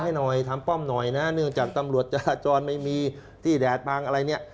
ให้หน่อยทำป้อมหน่อยนะเนื่องจากตำรวจจราจรไม่มีที่แดดบางอะไรเนี่ย